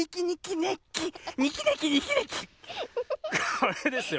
これですよ。